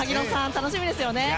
楽しみですね。